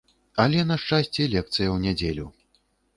Але на шчасце лекцыя ў нядзелю!